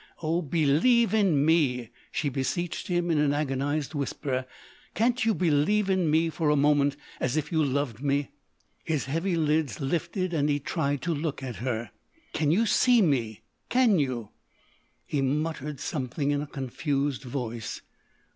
Oh, believe in me," she beseeched him in an agonised whisper—"Can't you believe in me for a moment,—as if you loved me!" His heavy lids lifted and he tried to look at her. "Can you see me? Can you?" He muttered something in a confused voice.